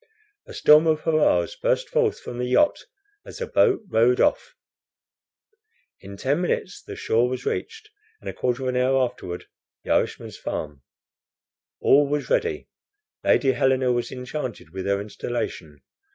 A storm of hurrahs burst forth from the yacht as the boat rowed off. In ten minutes the shore was reached, and a quarter of an hour afterward the Irishman's farm. All was ready. Lady Helena was enchanted with her installation.